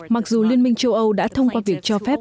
mặc dù liên minh châu âu đã thông qua việc cho phép